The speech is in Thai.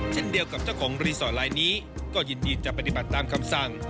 เช่นเดียวกับเจ้าของรีสอร์ทลายนี้ก็ยินดีจะปฏิบัติตามคำสั่ง